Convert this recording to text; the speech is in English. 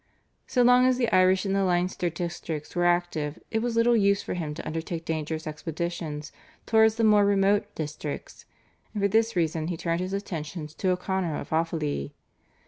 So long as the Irish in the Leinster districts were active it was little use for him to undertake dangerous expeditions towards the more remote districts, and for this reason he turned his attention to O'Connor of Offaly.